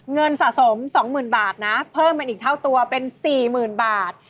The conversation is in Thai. เงินสะสม๒๐๐๐บาทนะเพิ่มเป็นอีกเท่าตัวเป็น๔๐๐๐บาท